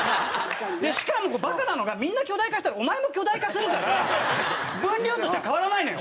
しかもこれバカなのがみんな巨大化したらお前も巨大化するから分量としては変わらないのよ。